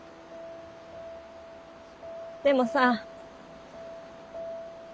でもさ。